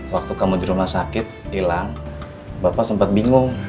waktu kamu di rumah sakit hilang bapak sempat bingung